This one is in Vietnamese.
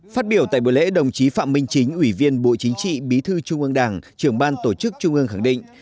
phát biểu tại buổi lễ đồng chí phạm minh chính ủy viên bộ chính trị bí thư trung ương đảng trưởng ban tổ chức trung ương khẳng định